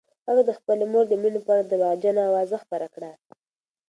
هغه د خپلې مور د مړینې په اړه درواغجنه اوازه خپره کړه.